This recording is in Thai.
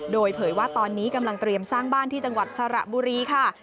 โดยเผยว่าตอนนี้กำลังเตรียมสร้างบ้านที่จังหวัดสระบุรีค่ะ